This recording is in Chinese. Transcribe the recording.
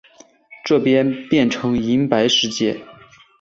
这边变成银白世界